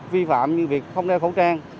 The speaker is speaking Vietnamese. vi phạm như việc không đeo khẩu trang